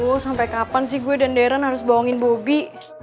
pernah gue sampe kapan sih gue dan deren harus bawangin bobi